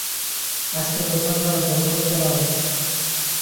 আজকের প্রথম রাউন্ডঃ আনুগত্য রাউন্ড।